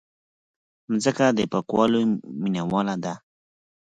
مځکه د پاکوالي مینواله ده.